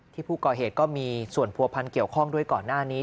ที่ผู้ก่อเหตุก็มีส่วนผัวพันธ์เกี่ยวข้องด้วยก่อนหน้านี้